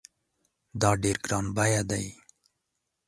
دا ډېر ګران بیه دی